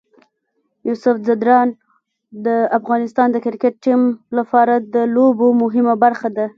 یوسف ځدراڼ د افغانستان د کرکټ ټیم لپاره د لوبو مهمه برخه ده.